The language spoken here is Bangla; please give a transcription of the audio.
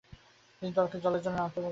তিনি দলকে জলের জন্য থামতে বলেন।